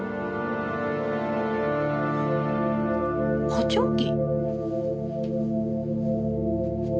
補聴器。